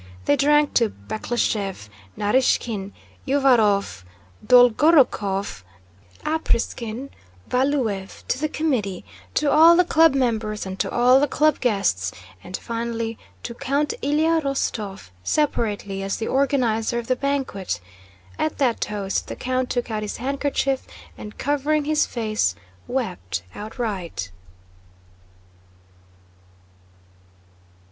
They drank to Bekleshëv, Narýshkin, Uvárov, Dolgorúkov, Apráksin, Valúev, to the committee, to all the club members and to all the club guests, and finally to Count Ilyá Rostóv separately, as the organizer of the banquet. At that toast, the count took out his handkerchief and, covering his face, wept outright.